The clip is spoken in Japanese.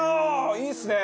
いいっすね！